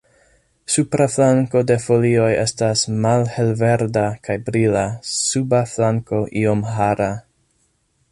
Supra flanko de folioj estas malhelverda kaj brila, suba flanko iom hara.